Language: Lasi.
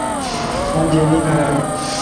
مانک جيلي کارائي